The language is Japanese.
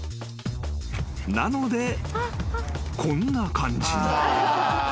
［なのでこんな感じに］